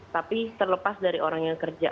tapi terlepas dari orang yang kerja